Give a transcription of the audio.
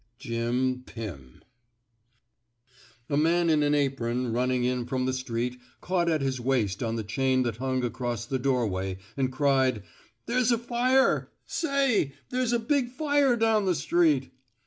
Jim Pim —*' A man in an apron, running in from the street, caught at his waist on the chain that hung across the doorway, and cried: *' There's a fire! Say! There's a big fire down the street!